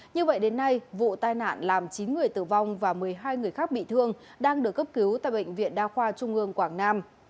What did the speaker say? như vậy đến nay vụ tai nạn làm chín người tử vong và một mươi hai người khác bị thương đang được cấp cứu tại bệnh viện đa khoa trung ương quảng nam